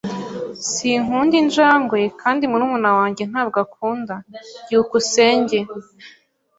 Sinkunda injangwe kandi murumuna wanjye ntabwo akunda. byukusenge